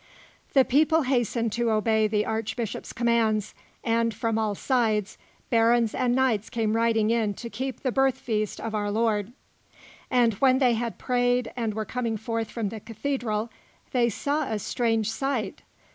The people hastened to obey the Archbishop's commands, and, from all sides, barons and knights came riding in to keep the birth feast of our Lord. And when they had prayed, and were coming forth from the cathedral, they saw a strange sight.